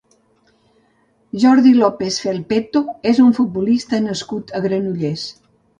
Jordi López Felpeto és un futbolista nascut a Granollers.